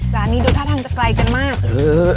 แต่วันนี้ดูธาตุทางจะไกลกันมาก